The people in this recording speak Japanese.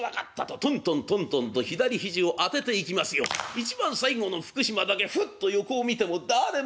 一番最後の福島だけふっと横を見てもだれもいない。